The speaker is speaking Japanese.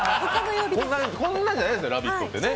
こんなんじゃないですよ、「ラヴィット！」ってね。